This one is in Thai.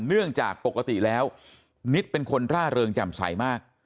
เนื่องจากปกติแล้วนิดเป็นคนร่าเริงแจ่มใสมาก